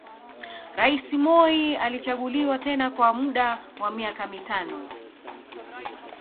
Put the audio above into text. Rais Moi alichaguliwa tena kwa muda wa miaka mitano